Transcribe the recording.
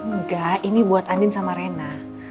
enggak ini buat andin sama rena